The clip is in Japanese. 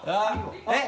えっ？